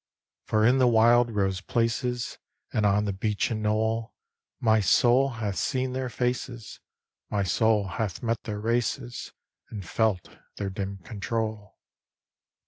For in the wildrose places, And on the beechen knoll, My soul hath seen their faces, My soul hath met their races, And felt their dim control.